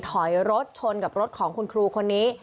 ถอยรถชนกับรถของคุณครูคนนี้